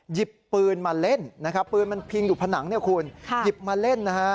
หยิบปืนมาเล่นปืนมันพิงอยู่ผนังหยิบมาเล่น